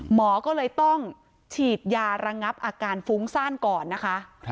หมอก็เลยต้องฉีดยาระงับอาการฟุ้งซ่านก่อนนะคะ